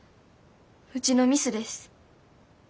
ウチのミスです。